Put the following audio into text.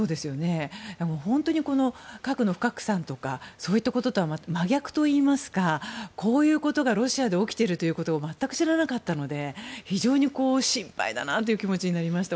本当に核の不拡散とかそういったこととは真逆といいますかこういうことがロシアで起きているということを全く知らなかったので非常に心配だなという気持ちになりました。